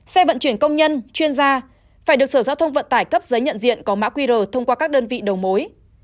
xe vận chuyển công nhân chuyên gia phải được sở giao thông vận tải cấp giấy nhận diện có mã qr thông qua các đơn vị đầu mối